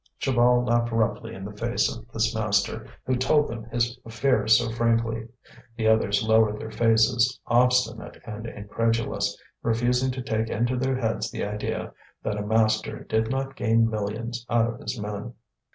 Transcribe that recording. Chaval laughed roughly in the face of this master who told them his affairs so frankly. The others lowered their faces, obstinate and incredulous, refusing to take into their heads the idea that a master did not gain millions out of his men.